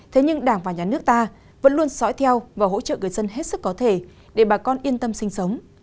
thế nhưng đảng và nhà nước ta vẫn luôn sõi theo và hỗ trợ người dân hết sức có thể để bà con yên tâm sinh sống